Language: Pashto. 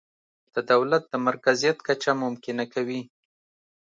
د دولت د مرکزیت کچه ممکنه کوي.